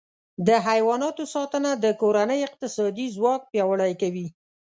د حیواناتو ساتنه د کورنۍ اقتصادي ځواک پیاوړی کوي.